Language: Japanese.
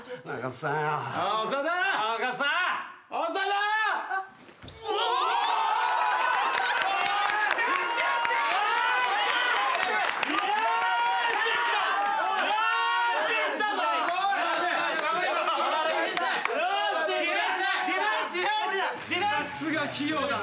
さすが器用だな。